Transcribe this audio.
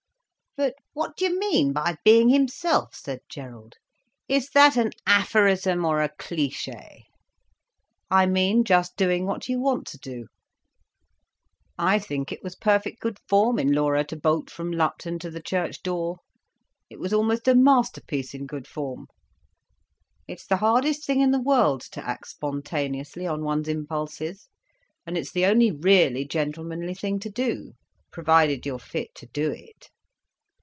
"But what do you mean by being himself?" said Gerald. "Is that an aphorism or a cliché?" "I mean just doing what you want to do. I think it was perfect good form in Laura to bolt from Lupton to the church door. It was almost a masterpiece in good form. It's the hardest thing in the world to act spontaneously on one's impulses—and it's the only really gentlemanly thing to do—provided you're fit to do it."